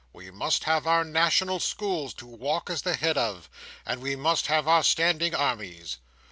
We must have our national schools to walk at the head of, and we must have our standing armies.